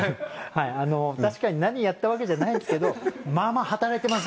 はいあの確かに何やったわけじゃないっすけどまあまあ働いてます